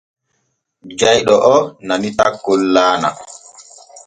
Jayɗo oo nani takkol laana.